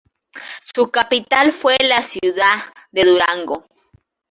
Su capital fue la ciudad de Durango.